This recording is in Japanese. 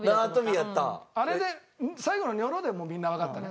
あれで最後のニョロでみんなわかったね。